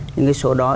nhưng cái số đó